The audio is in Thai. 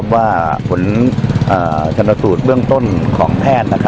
ว่าผลชนสูตรเบื้องต้นของแพทย์